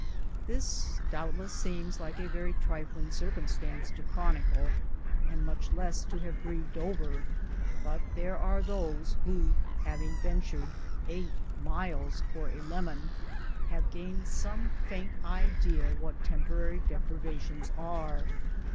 This doubtless seems like a very trifling circumstance to chronicle, and much less to have grieved over, but there are those who, having ventured " eight miles from a lemon," have gained some faint idea what temporary deprivations are.